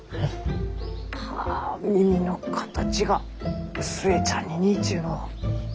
はあ耳の形が寿恵ちゃんに似いちゅうのう。